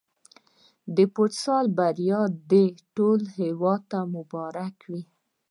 د فوتسال بریا دې ټول هېواد ته مبارک وي.